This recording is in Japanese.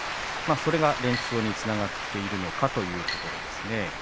それが連勝につながっているのかということなんですね。